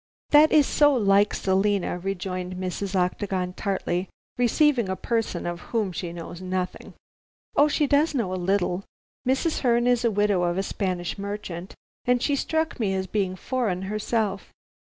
"That is so like Selina," rejoined Mrs. Octagon tartly, "receiving a person of whom she knows nothing." "Oh, she does know a little. Mrs. Herne is the widow of a Spanish merchant, and she struck me as being foreign herself.